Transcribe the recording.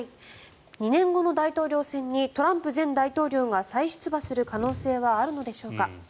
２年後の大統領選にトランプ前大統領が再出馬する可能性はあるのでしょうか。